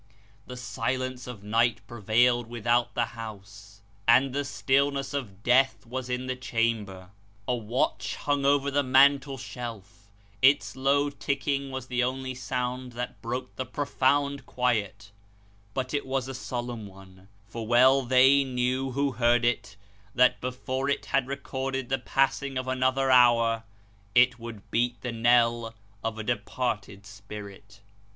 The silence of night prevailed without the house, and the stillness of death was in the chamber. A watch Imng over the mantelshelf ; its low ticking was the only sound that broke the profound quiet, but it was a solemn one, for well they knew, who heard it, that before it had recorded the passing of another hour, it would beat the knell of a departed spirit.